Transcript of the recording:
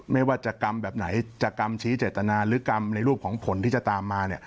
ไม่ว่าจะกรรมแบบไหนจะกรรมชี้เจตนาหรือกรรมในรูปของผลที่จะตามมา